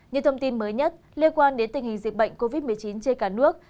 như thông tin mới nhất liên quan đến tình hình dịch bệnh covid một mươi chín trên cả nước